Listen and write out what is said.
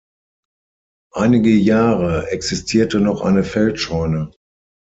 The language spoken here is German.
Einige Jahre existierte noch eine Feldscheune.